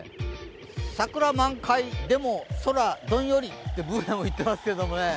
桜満開、でも空どんよりってＢｏｏｎａも言ってますけどもね。